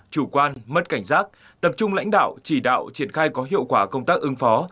chủ quan mất cảnh giác tập trung lãnh đạo chỉ đạo triển khai có hiệu quả công tác ứng phó